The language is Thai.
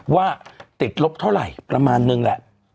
ว่าติดลบเท่าไหร่ประมาณนึงแหละ